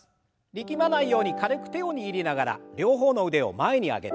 力まないように軽く手を握りながら両方の腕を前に上げて。